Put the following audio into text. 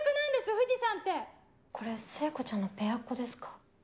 藤さんって・これ聖子ちゃんのペアっ子ですか？